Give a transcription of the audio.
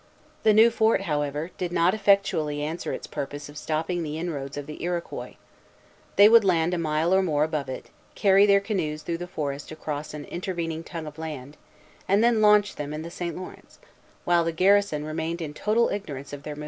The new fort, however, did not effectually answer its purpose of stopping the inroads of the Iroquois. They would land a mile or more above it, carry their canoes through the forest across an intervening tongue of land, and then launch them in the St. Lawrence, while the garrison remained in total ignorance of their movements.